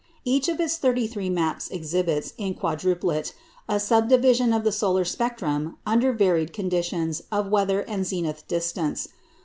Each of its thirty three maps exhibits in quadruplicate a subdivision of the solar spectrum under varied conditions of weather and zenith distance.